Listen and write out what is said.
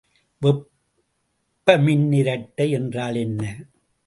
வெப்பமின்னிரட்டை என்றால் என்ன?